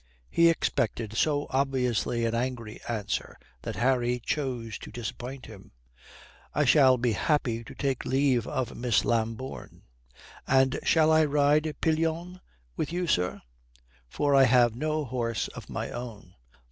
He expected so obviously an angry answer that Harry chose to disappoint him. "I shall be happy to take leave of Miss Lambourne. And shall I ride pillion with you, sir? For I have no horse of my own."